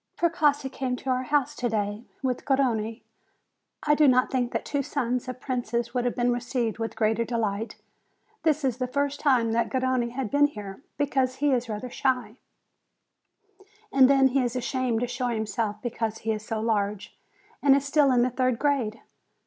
Precossi came to our house to day with Garrone. I do not think that two sons of princes would have been received with greater delight. This is the first time that Garrone has been here, because he is rather shy, and then he is ashamed to show himself because he is so large, and is still in the third grade.